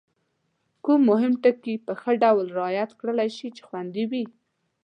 کوم مهم ټکي په ښه ډول رعایت کړای شي چې خوندي وي؟